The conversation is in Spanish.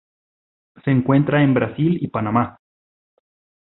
Se encuentra en Brasil y Panamá.